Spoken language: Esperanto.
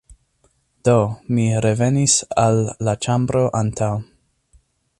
Do, mi revenis al la ĉambro antaŭ